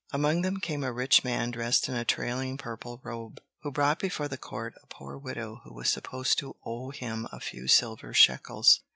Among them came a rich man dressed in a trailing purple robe, who brought before the court a poor widow who was supposed to owe him a few silver shekels.